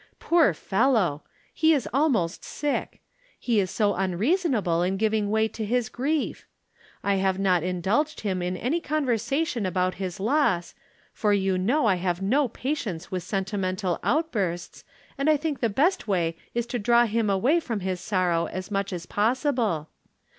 Poor fellow ! He is almost sick. He is so unreasonable in giving way to his grief. I have not indulged him in any conversation about his loss, for you know I have no patience with sentimental outbursts, and I tliink the best way is to draw him away from his sorrow as much as possible.